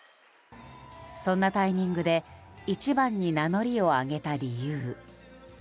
そんなタイミングで一番に名乗りを上げた理由。